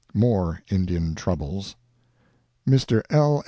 [MORE INDIAN TROUBLES.—] Mr. L.